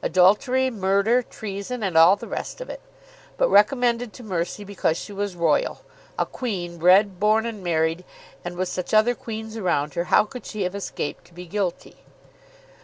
Adultery, murder, treason, and all the rest of it. But recommended to mercy because she was royal. A queen bred, born and married, and with such other queens around her, how could she have escaped to be guilty?